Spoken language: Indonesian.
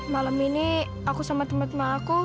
malam ini aku sama temen temen aku